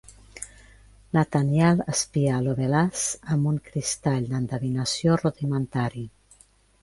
Nathaniel espia Lovelace amb un cristall d'endevinació rudimentari.